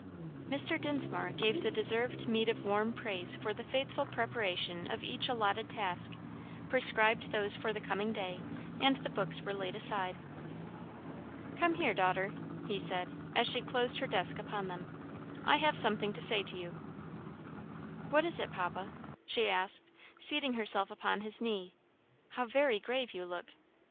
Mr. Dinsmore gave the deserved meed of warm praise for the faithful preparation of each allotted task, prescribed those for the coming day, and the books were laid aside. "Come here, daughter," he said, as she closed her desk upon them, "I have something to say to you." "What is it, papa?" she asked, seating herself upon his knee. "How very grave you look."